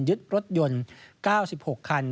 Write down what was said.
ยึดรถยนต์๙๖คัน